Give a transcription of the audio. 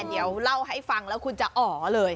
เดี๋ยวเล่าให้ฟังแล้วคุณจะอ๋อเลย